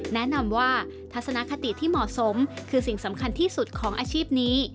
แนะนำว่าทัศนคติที่เหมาะสมคือสิ่งสำคัญที่สุดของอาชีพนี้